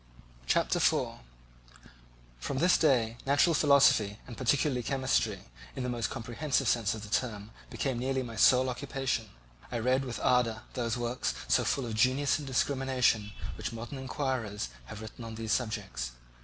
Chapter 4 From this day natural philosophy, and particularly chemistry, in the most comprehensive sense of the term, became nearly my sole occupation. I read with ardour those works, so full of genius and discrimination, which modern inquirers have written on these subjects.